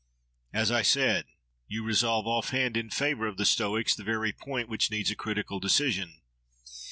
As I said, you resolve offhand, in favour of the Stoics, the very point which needs a critical decision.